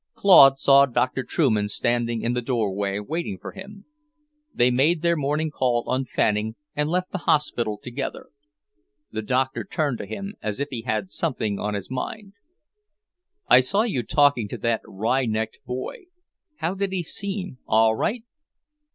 Claude saw Dr. Trueman standing in the doorway, waiting for him. They made their morning call on Fanning, and left the hospital together. The Doctor turned to him as if he had something on his mind. "I saw you talking to that wry necked boy. How did he seem, all right?"